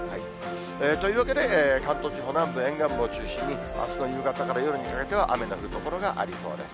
というわけで、関東地方南部沿岸部を中心に、あすの夕方から夜にかけては雨の降る所がありそうです。